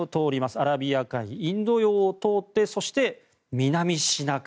アラビア海、インド洋を通ってそして、南シナ海。